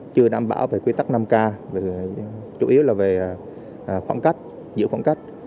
chưa đảm bảo về quy tắc năm k chủ yếu là về khoảng cách giữa khoảng cách